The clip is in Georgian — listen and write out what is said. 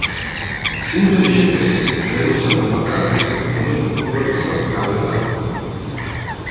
სიმღერის შექმნისას ლენონსა და მაკ-კარტნიზე რომელიმე კონკრეტულ ფაქტს გავლენა არ ჰქონია.